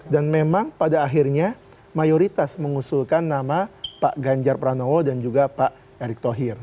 dan memang pada akhirnya mayoritas mengusulkan nama pak ganjar pranowo dan juga pak erick thohir